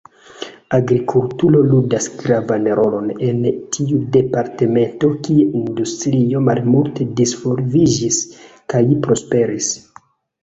Agrikulturo ludas gravan rolon en tiu departemento, kie industrio malmulte disvolviĝis kaj prosperis.